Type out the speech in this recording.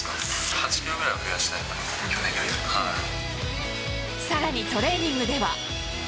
８キロぐらいは増やしたいなさらにトレーニングでは。